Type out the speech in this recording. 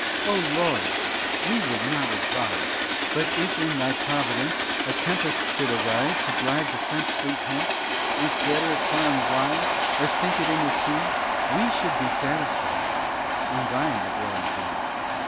"O Lord! we would not advise; But if in thy Providence A tempest should arise To drive the French Fleet hence, And scatter it far and wide, Or sink it in the sea, We should be satisfied, And thine the glory be."